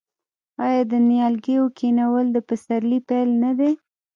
آیا د نیالګیو کینول د پسرلي پیل نه دی؟